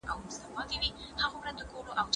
ماسومان باید په کور کي په سوق کتابونه ولولي.